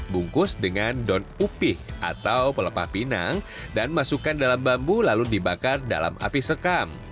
bungkus dengan daun upih atau pelepah pinang dan masukkan dalam bambu lalu dibakar dalam api sekam